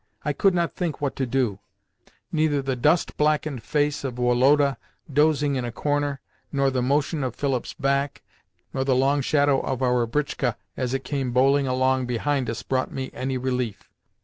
I could not think what to do. Neither the dust blackened face of Woloda dozing in a corner, nor the motion of Philip's back, nor the long shadow of our britchka as it came bowling along behind us brought me any relief.